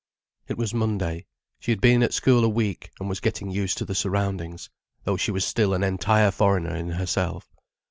It was Monday. She had been at school a week and was getting used to the surroundings, though she was still an entire foreigner in herself.